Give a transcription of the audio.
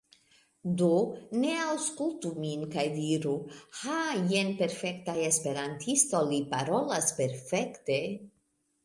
Do, ne aŭskulti min kaj diru, "Ha jen perfekta Esperantisto, li parolas perfekte!"